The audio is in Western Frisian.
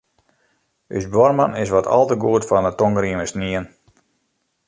Us buorman is wat al te goed fan 'e tongrieme snien.